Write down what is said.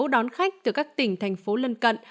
đón khách từ các tỉnh thành phố lân cận